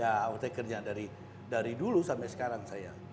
ya off takernya dari dulu sampai sekarang saya